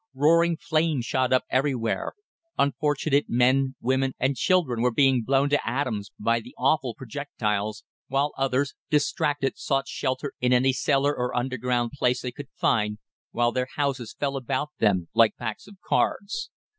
Roaring flame shot up everywhere, unfortunate men, women, and children were being blown to atoms by the awful projectiles, while others distracted, sought shelter in any cellar or underground place they could find, while their houses fell about them like packs of cards.